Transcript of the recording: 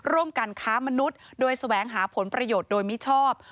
ร่วมกันค้ามนุษย์โดยแสวงหาผลประโยชน์โดยมิชอบ